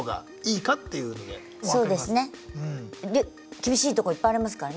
厳しいとこいっぱいありますからね。